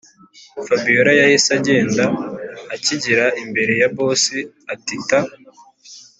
fabiora yahise agenda akigera imbere ya boss atita